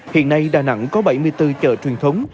hiện nay đà nẵng có bảy mươi bốn chợ truyền thống